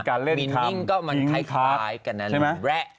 การเล่นคำวินิ่งก็มันคล้ายกันอะแหละ